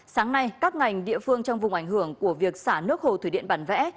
sáng nay các ngành địa phương trong vùng ảnh hưởng của việc xả nước hồ thủy điện bản vẽ